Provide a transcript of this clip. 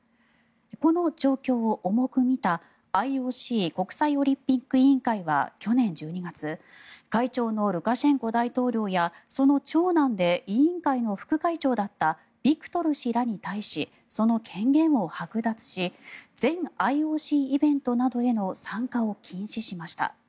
この状況を重く見たＩＯＣ・国際オリンピック委員会は去年１２月会長のルカシェンコ大統領やその長男で委員会の副会長だったビクトル氏らに対しその権限をはく奪し全ＩＯＣイベントなどへの参加を禁止しました。